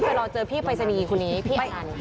ไปรอเจอพี่ปรายสนีพี่อนัน